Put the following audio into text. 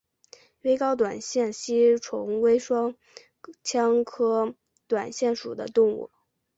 微睾短腺吸虫为双腔科短腺属的动物。